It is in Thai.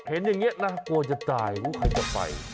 เห็นอย่างนี้นะกลัวจะตายใครจะไป